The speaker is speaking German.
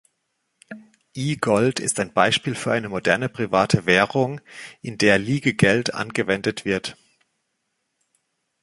E-Gold ist ein Beispiel für eine moderne private Währung, in der Liegegeld angewendet wird.